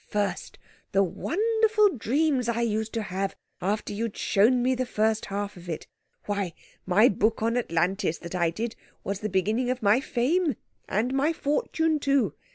First, the wonderful dreams I used to have, after you'd shown me the first half of it! Why, my book on Atlantis, that I did, was the beginning of my fame and my fortune, too.